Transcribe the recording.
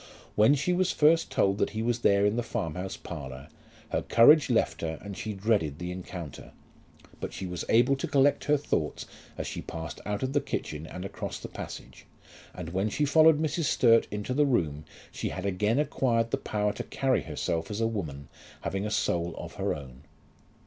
When she was first told that he was there in the farm house parlour, her courage left her and she dreaded the encounter; but she was able to collect her thoughts as she passed out of the kitchen, and across the passage, and when she followed Mrs. Sturt into the room she had again acquired the power to carry herself as a woman having a soul of her own.